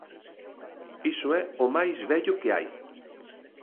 Iso é o máis vello que hai.